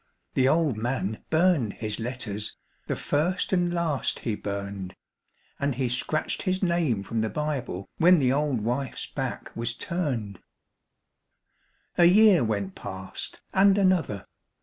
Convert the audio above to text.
The old man burned his letters, the first and last he burned, And he scratched his name from the Bible when the old wife's back was turned. A year went past and another.